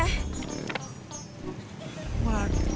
kayanya ada yang jatuh deh